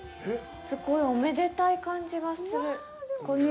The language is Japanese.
すごいおめでたい感じがする。